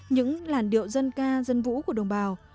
những làn điệu dân ca dân vũ của đồng bào